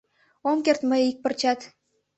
Ом керт мые ик пырчат.